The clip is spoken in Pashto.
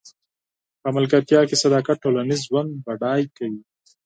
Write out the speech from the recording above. په ملګرتیا کې صداقت ټولنیز ژوند بډای کوي.